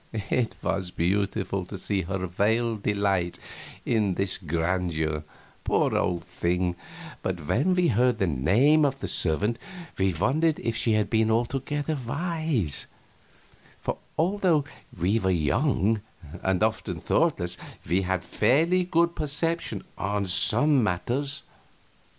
It was beautiful to see her veiled delight in this grandeur, poor old thing, but when we heard the name of the servant we wondered if she had been altogether wise; for although we were young, and often thoughtless, we had fairly good perception on some matters.